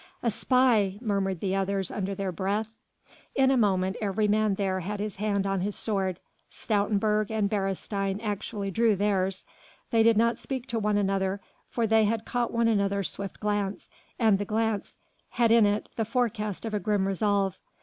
"A spy!" murmured the others under their breath. In a moment every man there had his hand on his sword: Stoutenburg and Beresteyn actually drew theirs. They did not speak to one another for they had caught one another's swift glance, and the glance had in it the forecast of a grim resolve.